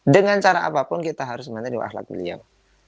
dengan cara apapun kita harus menurut akhlak beliau